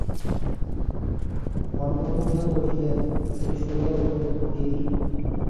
অন্নপূর্ণা কহিলেন, তুমি সারিয়া ওঠো, দিদি।